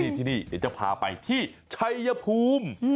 ที่นี่เดี๋ยวจะพาไปที่ชัยภูมิ